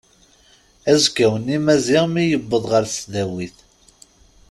Azekka-nni Maziɣ mi yewweḍ ɣer tesdawit.